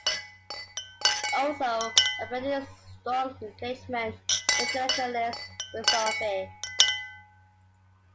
Also apparent is a strong engagement with existentialist philosophy.